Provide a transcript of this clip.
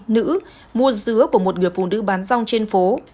nữ mua dứa của một người phụ nữ bán rong trên phố